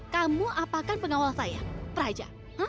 kamu apakah pengawal saya praja